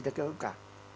là kiểu gì cả